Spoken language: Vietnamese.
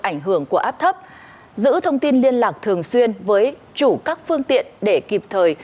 ảnh hưởng của áp thấp giữ thông tin liên lạc thường xuyên với chủ các phương tiện để kịp thời